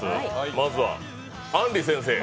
まずはあんり先生。